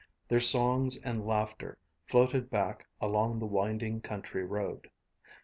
Their songs and laughter floated back along the winding country road.